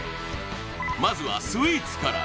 まずはスイーツから